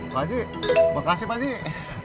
pakcik makasih pakcik